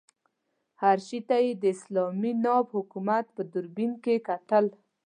هر شي ته یې د اسلامي ناب حکومت په دوربین کې کتل.